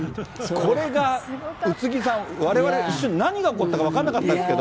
これが、宇津木さん、われわれ一瞬何が起こったか、分かんなかったんですけど。